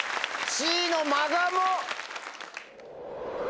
Ｃのマガモ！